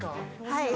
はい。